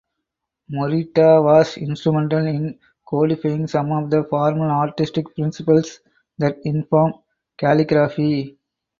Morita was instrumental in codifying some of the formal artistic principles that inform calligraphy.